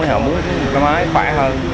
họ muốn cái máy khỏe hơn